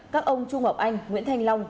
các ông chu ngọc anh nguyễn thanh long